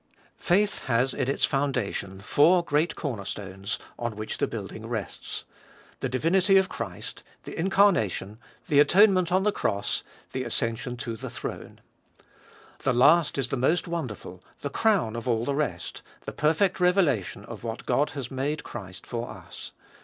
1. Faith has in its foundation four great corner stones on which the building rests— the. Divinity of Christ, the Incarnation, the Atonement on the Cross, the Ascension to the Throne The last is the most wonderful, the crown of all the rest, the perfect revelation of what God has made Christ for us.